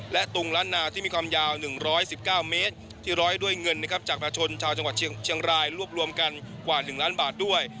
และตุงล้านนาที่มีความยาว๑๑๙เมตรที่ร้อยด้วยเงินนะครับจากประชนชาวจังหวัดเชียงรายรวบรวมกันกว่า๑ล้านบาทด้วย